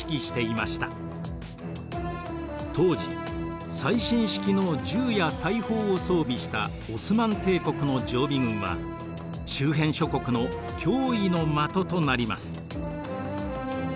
当時最新式の銃や大砲を装備したオスマン帝国の常備軍は周辺諸国の脅威の的となります。